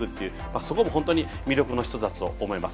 そこも本当に魅力の１つだと思います。